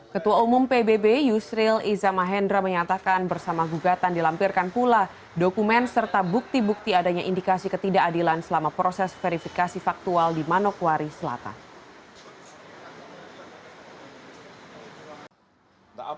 ketua umum pbb yusril iza mahendra menyatakan bersama gugatan dilampirkan pula dokumen serta bukti bukti adanya indikasi ketidakadilan selama proses verifikasi faktual di manokwari selatan